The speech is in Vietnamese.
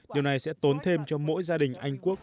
điều này sẽ tốn thêm cho mỗi gia đình anh quốc